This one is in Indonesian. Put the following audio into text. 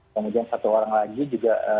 kemudian satu orang lagi juga